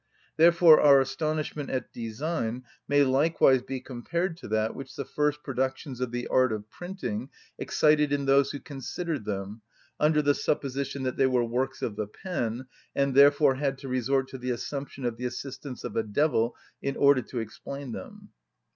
Therefore our astonishment at design may likewise be compared to that which the first productions of the art of printing excited in those who considered them under the supposition that they were works of the pen, and therefore had to resort to the assumption of the assistance of a devil in order to explain them.